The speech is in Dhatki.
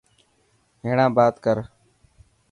هيڻا بات ڪر.